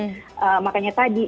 nah tapi makanya tadi